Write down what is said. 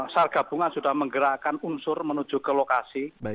sarga bunga sudah menggerakkan unsur menuju ke lokasi